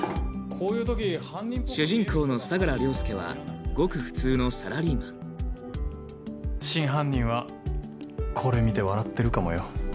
主人公の相良凌介はごく普通のサラリーマン真犯人はこれ見て笑ってるかもよ。